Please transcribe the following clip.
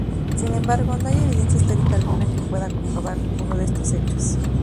Sin embargo, no hay evidencia histórica alguna que pueda comprobar ninguno de estos hechos.